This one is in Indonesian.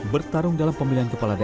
bertarung dalam pemilihan kepentingan